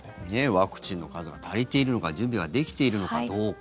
ワクチンの数が足りているのか準備はできているのかどうか。